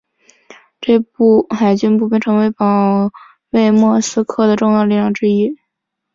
这些海军步兵成为了保卫莫斯科的重要力量之一。